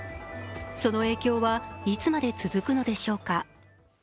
その影響はいつまで続くのでしょうか。